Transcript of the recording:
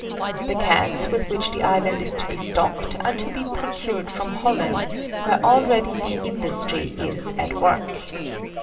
The Cats with which the island is to be stocked are to be procured from Holland, where already the "industry" is "at work."